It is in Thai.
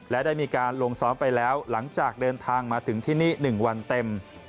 และได้มีการลงซ้อมไปแล้วหลังจากเดินทางมาถึงที่นี่๑วันเต็ม